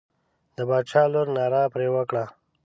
د باچا لور ناره پر وکړه.